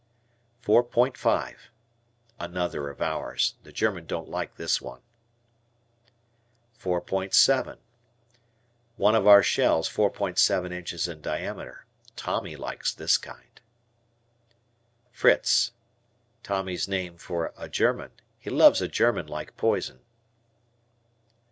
"Four point five." Another of ours. The Germans don't like this one. "Four point seven." One of our shells 4.7 inches in diameter. Tommy likes this kind. "Fritz." Tommy's name for a German. He loves a German like poison.